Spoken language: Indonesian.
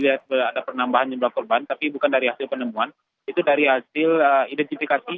ada penambahan jumlah korban tapi bukan dari hasil penemuan itu dari hasil identifikasi